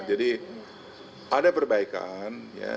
jadi ada perbaikan ya